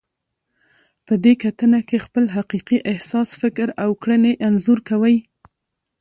په دې کتنه کې خپل حقیقي احساس، فکر او کړنې انځور کوئ.